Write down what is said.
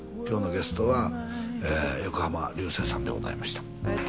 今日のゲストは横浜流星さんでございました